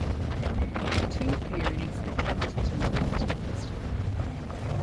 Two theories attempt to lift the mystery.